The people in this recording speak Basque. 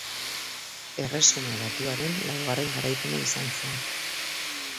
Erresuma Batuaren laugarren garaipena izan zen.